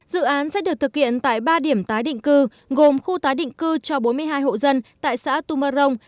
dự án sẽ được thực hiện tại ba điểm tái định cư gồm khu tái định cư cho bốn mươi hai hộ dân tại xã tumorong